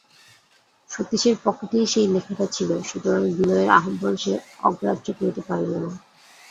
সতীশের পকেটেই সেই লেখাটা ছিল, সুতরাং বিনয়ের আহ্বান সে অগ্রাহ্য করিতে পারিল না।